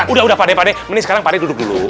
udah udah pade pade mending sekarang pade duduk dulu